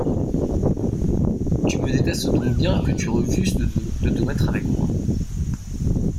Tu me détestes donc bien, que tu refuses de te mettre avec moi?